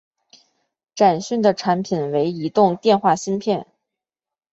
展讯的产品为移动电话芯片。